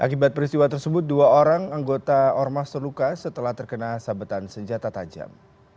akibat peristiwa tersebut dua orang anggota ormas terluka setelah terkena sabetan senjata tajam